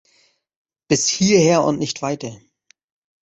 Bis hierher und nicht weiter!